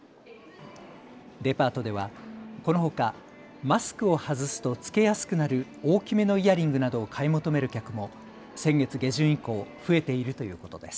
デパートではこのほかマスクを外すと着けやすくなる大きめのイヤリングなどを買い求める客も先月下旬以降、増えているということです。